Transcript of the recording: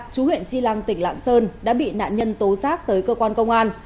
chú huyện chi lăng tỉnh lạng sơn đã bị nạn nhân tố xác tới cơ quan công an